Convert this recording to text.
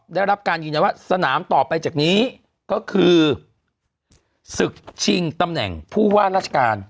ได้รับการยืนยันว่าสนามต่อไปจากนี้ก็คือศึกชิงตำแหน่งผู้ว่าราชการ